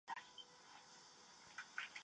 亦曾是葡萄牙国家队成员。